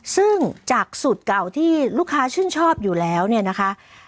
ซึ่งจากสูตรเก่าที่ลูกค้าชื่นชอบอยู่แล้วเนี่ยนะคะ